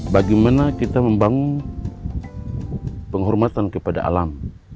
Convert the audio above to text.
bagaimana kita membangun penghormatan kepada alam